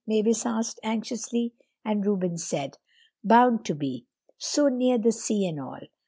Mavis asked anxiously. And Reuben said: "Bound to be, so near the sea and all."